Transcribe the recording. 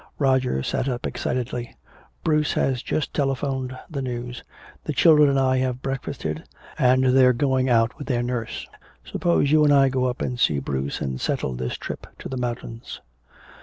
Roger sat up excitedly. "Bruce has just telephoned the news. The children and I have breakfasted, and they're going out with their nurse. Suppose you and I go up and see Bruce and settle this trip to the mountains."